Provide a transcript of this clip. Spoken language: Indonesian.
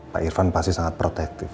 pak irfan pasti sangat protektif